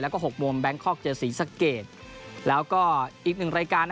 แล้วก็หกโมงแบงคอกเจอศรีสะเกดแล้วก็อีกหนึ่งรายการ